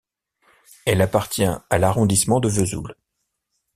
Elle appartient à l'arrondissement de Vesoul.